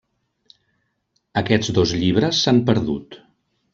Aquests dos llibres s'han perdut.